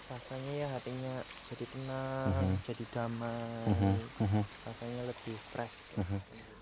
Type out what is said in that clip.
rasanya ya hatinya jadi tenang jadi damai rasanya lebih fresh lah